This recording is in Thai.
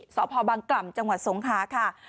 สพบังกล่ำจังหวัดสงคราค่ะ